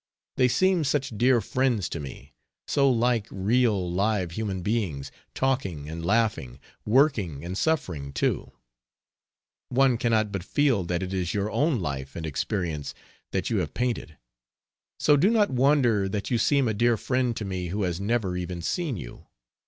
They seem such dear friends to me, so like real live human beings talking and laughing, working and suffering too! One cannot but feel that it is your own life and experience that you have painted. So do not wonder that you seem a dear friend to me who has never even seen you.